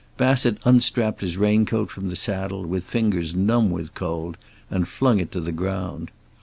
Bassett unstrapped his raincoat from the saddle with fingers numb with cold, and flung it to the ground.